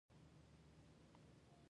د اسونو ځغلول یوه لرغونې لوبه ده.